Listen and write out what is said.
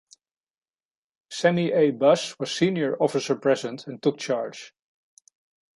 Sammy A. Buss, was senior officer present and took charge.